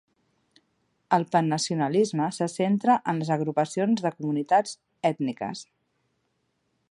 El pannacionalisme se centra en les agrupacions de comunitats ètniques.